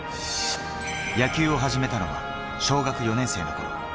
野球を始めたのは小学４年生。